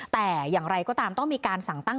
แต่อย่างไรก็ตามต้องมีการสั่งตั้ง